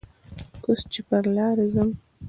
اوس چې پر لارې ځم